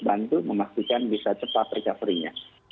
bantu memastikan bisa cepat recovery nya